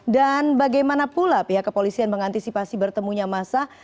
dan bagaimana pula pihak kepolisian mengantisipasi bertemunya masa